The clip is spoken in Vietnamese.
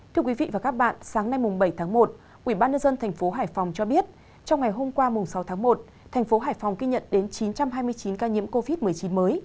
thưa quý vị và các bạn sáng nay bảy tháng một ubnd tp hcm cho biết trong ngày hôm qua sáu tháng một tp hcm ghi nhận đến chín trăm hai mươi chín ca nhiễm covid một mươi chín mới